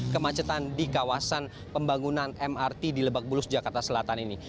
kemacetan di kawasan pembangunan mrt di lebak bulus jakarta selatan ini